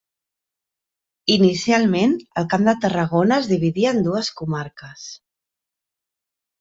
Inicialment el Camp de Tarragona es dividia en dues comarques: